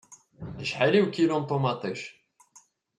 Acḥal i ukilu n ṭumaṭic?